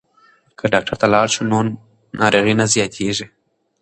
که ډاکټر ته لاړ شو نو ناروغي نه زیاتیږي.